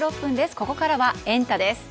ここからはエンタ！です。